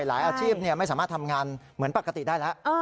อาชีพไม่สามารถทำงานเหมือนปกติได้แล้ว